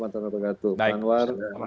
pak anwar dan anwar